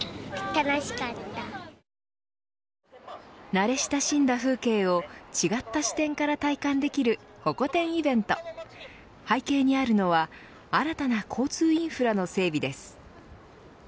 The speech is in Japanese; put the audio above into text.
慣れ親しんだ風景を違った視点から体感できるホコ天イベント背景にあるのは新たな交通インフラの整備です。